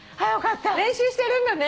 練習してるんだね。